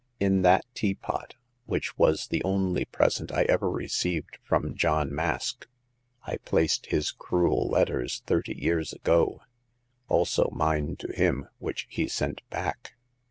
In that teapot — which was the only present I ever received from John Mask — I placed his cruel letters thirty years ago ; also mine to him, which he sent back."